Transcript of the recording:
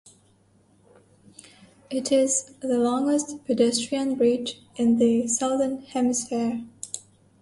It is the longest pedestrian bridge in the Southern Hemisphere.